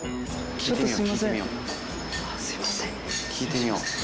聞いてみよう。